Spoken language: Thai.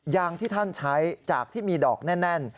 ยางที่ท่านใช้จากที่มีดอกแน่น